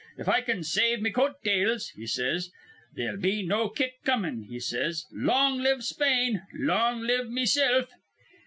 'If I can save me coat tails,' he says, 'they'll be no kick comin', he says. 'Long live Spain, long live mesilf.'